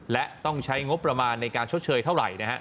และต้องใช้งบประมาณในการชดเชยเท่าไหร่นะฮะ